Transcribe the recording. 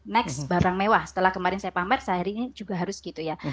next barang mewah setelah kemarin saya pamer sehari ini juga harus gitu ya